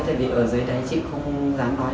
tại vì ở dưới đấy chị không dám nói